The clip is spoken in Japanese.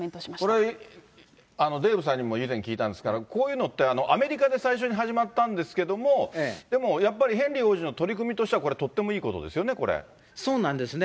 これ、デーブさんにも以前聞いたんですが、こういうのってアメリカで最初に始まったんですけれども、でもやっぱり、ヘンリー王子の取り組みとしてはこれ、とってもいいことですよね、そうなんですね。